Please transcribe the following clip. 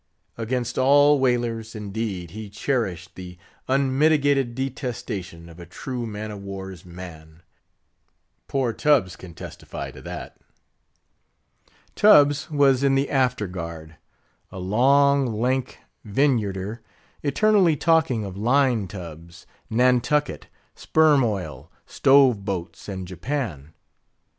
Against all whalers, indeed, he cherished the unmitigated detestation of a true man of war's man. Poor Tubbs can testify to that. Tubbs was in the After Guard; a long, lank Vineyarder, eternally talking of line tubs, Nantucket, sperm oil, stove boats, and Japan.